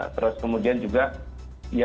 terus kemudian juga ya